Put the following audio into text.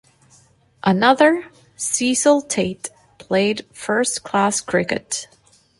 Another, Cecil Tate, played first-class cricket.